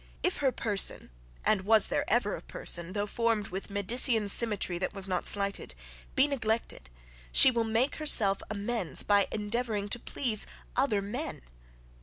if her person, and was there ever a person, though formed with Medicisan symmetry, that was not slighted? be neglected, she will make herself amends by endeavouring to please other men.